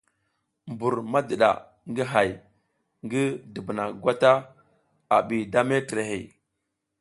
Mbur madiɗa ngi hay ngi dubuna gwata a bi da metrey,